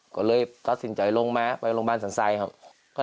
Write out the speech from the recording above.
ก็เลยตัดสินใจลงมาไปโรงพยาบาลสันทรายครับ